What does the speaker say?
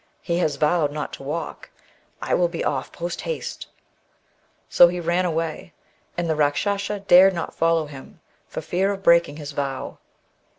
He has vowed not to walk ; I will be ofif post haste !" so he ran away, and the Eakschasa dared not follow him for fear of breaking his vow.